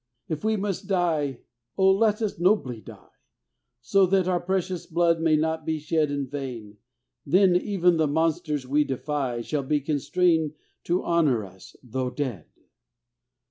If we must die oh, let us nobly die, So that our precious blood may not be shed In vain; then even the monsters we defy Shall be constrained to honor us though dead!